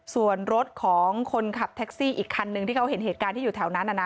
ส่วนรถของคนขับแท็กซี่อีกคันนึงที่เขาเห็นเหตุการณ์ที่อยู่แถวนั้น